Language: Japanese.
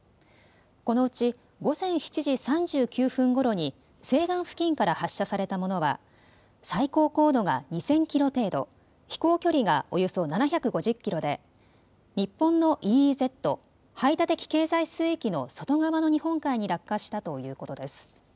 このうち午前７時３９分ごろに西岸付近から発射されたものは最高高度が２０００キロ程度、飛行距離がおよそ７５０キロで日本のＥＥＺ・排他的経済水域の外側の日本海に落下したということです。